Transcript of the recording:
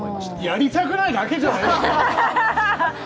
やりたくないだけじゃない？